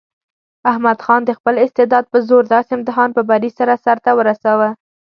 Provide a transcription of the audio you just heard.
احمد خان د خپل استعداد په زور داسې امتحان په بري سره سرته ورساوه.